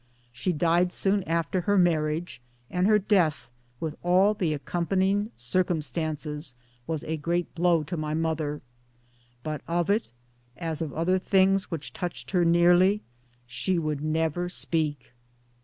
She died soon after her marriage ; and her death, with all the accompanying circumstances, was a great blow to my mother; but of it as of other things which touched her nearly she would never speak.